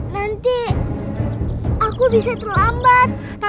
tapi aku mau ketemu pak karta